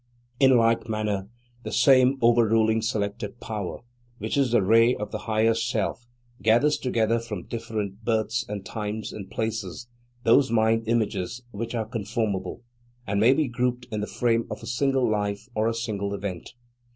In like manner, the same over ruling selective power, which is a ray of the Higher Self, gathers together from different births and times and places those mind images which are conformable, and may be grouped in the frame of a single life or a single event.